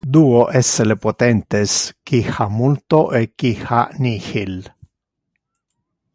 Duo es le potentes: qui ha multo e qui ha nihil.